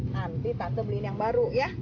nanti tante beliin yang baru ya